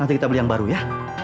nanti kita beli yang baru ya